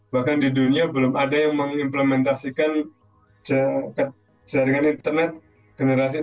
bahkan di dunia belum ada yang mengimplementasikan jaringan internet generasi muda